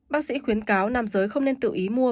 bác sĩ khuyến cáo nam giới không nên tự ý mua